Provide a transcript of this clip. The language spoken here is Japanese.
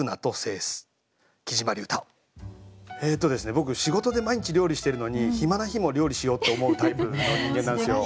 僕仕事で毎日料理してるのに暇な日も料理しようって思うタイプの人間なんですよ。